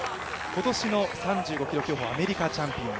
今年の３５ｋｍ競歩アメリカチャンピオン。